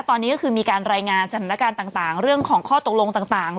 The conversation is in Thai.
ตอนนี้ก็คือมีการรายงานจัดหน้าการต่างต่างเรื่องของข้อตกลงต่างต่าง